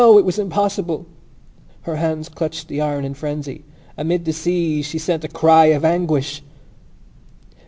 It was impossible. Her hands clutched the iron in frenzy. Amid the seas she sent a cry of anguish!